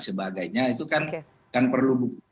sebagainya itu kan perlu